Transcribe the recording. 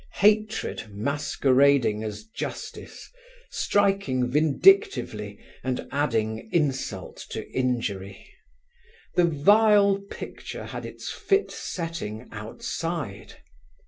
Hatred masquerading as justice, striking vindictively and adding insult to injury. The vile picture had its fit setting outside.